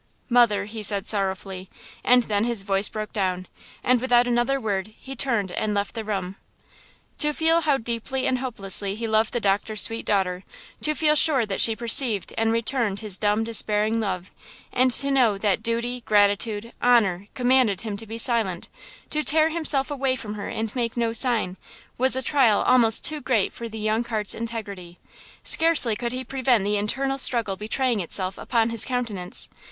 "Mother!" he said, sorrowfully, and then his voice broke down, and without another word he turned and left the room. To feel how deeply and hopelessly he loved the doctor's sweet daughter–to feel sure that she perceived and returned his dumb, despairing love–and to know that duty, gratitude, honor commanded him to be silent, to tear himself away from her and make no sign, was a trial almost too great for the young heart's integrity. Scarcely could he prevent the internal struggle betraying itself upon his countenance.